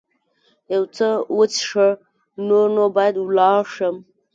یو څه وڅښه، نور نو باید ولاړ شم.